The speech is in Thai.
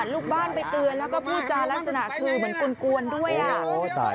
ลูกบ้านไปเตือนแล้วก็พูดจารักษณะคือเหมือนกวนด้วยอ่ะ